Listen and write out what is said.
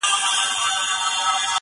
ساقي در مبارک دي میکدې وي ټولي تاته.